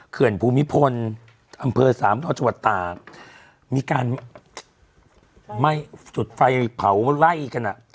เกือบภูมิพลอำเภอ๓นอกจัวร์ตามีการไหม้จุดไฟเผาไล่กันอ่ะ